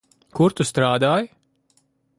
Kur tu strādāji?